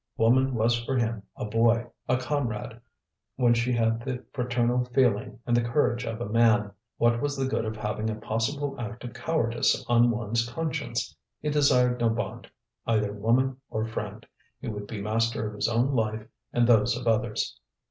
Woman was for him a boy, a comrade, when she had the fraternal feeling and the courage of a man. What was the good of having a possible act of cowardice on one's conscience? He desired no bond, either woman or friend; he would be master of his own life and those of others.